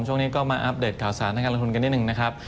ช่วงนี้ก็มาอัปเดตข่าวสารทางการลงทุนกันนิดหนึ่งนะครับ